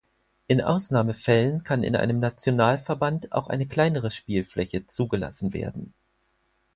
In Ausnahmefällen kann in einem Nationalverband auch eine kleinere Spielfläche zugelassen werden.